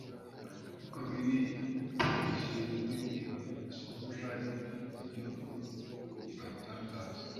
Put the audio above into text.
uko ibiro bishinzwe ibarurishamibare mu gihugu bibitangaza